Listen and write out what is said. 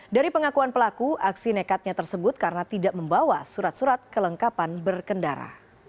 dari pengakuan pelaku aksi nekatnya tersebut karena tidak membawa surat surat kelengkapan berkendara